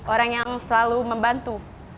orang yang selalu membantu